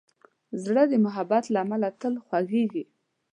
زړه د محبت له امله تل خوږېږي.